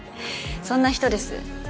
そんな人です。